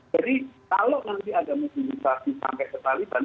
jadi kalau nanti ada mobilisasi sampai ke taliban